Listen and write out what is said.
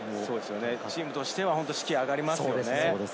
チームとしても士気が上がりますよね。